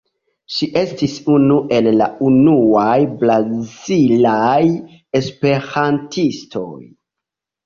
Ŝi estis unu el la unuaj brazilaj esperantistoj.